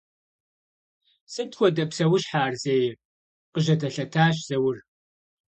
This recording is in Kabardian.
— Сыт хуэдэ псэущхьэ ар зейр? — къыжьэдэлъэтащ Заур.